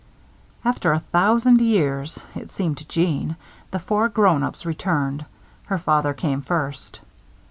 After a thousand years (it seemed to Jeanne) the four grown ups returned. Her father came first.